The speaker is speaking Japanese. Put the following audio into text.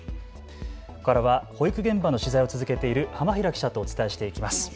ここからは保育現場の取材を続けている浜平記者とお伝えしていきます。